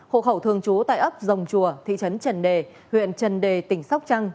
hộ khẩu thường trú tại ấp dòng chùa thị trấn trần đề huyện trần đề tỉnh sóc trăng